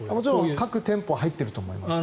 各店舗入っていると思います。